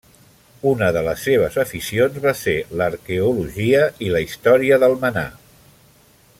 Una de les seves aficions va ser l'arqueologia i la història d'Almenar.